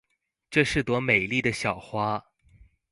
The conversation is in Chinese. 这是朵美丽的小花。